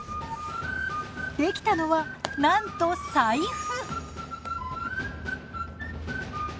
出来たのはなんと財布！